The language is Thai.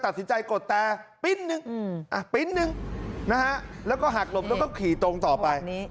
ตัดสินใจกดแต่ปิ๊นหนึ่งแล้วก็หักหลบแล้วก็ขี่ตรงต่อไป